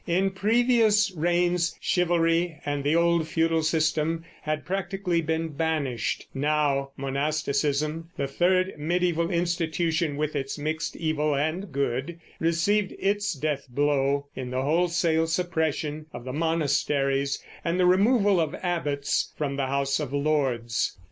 In previous reigns chivalry and the old feudal system had practically been banished; now monasticism, the third mediæval institution with its mixed evil and good, received its death blow in the wholesale suppression of the monasteries and the removal of abbots from the House of Lords.